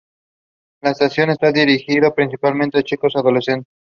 La estación está dirigido principalmente a chicos y adolescentes.